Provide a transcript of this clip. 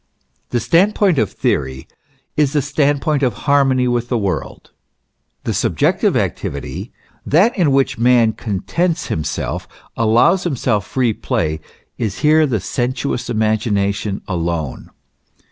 * The stand point of theory is the stand point of harmony with the world. The subjective activity, that in which man contents himself, allows himself free play, is here the sensuous imagination alone.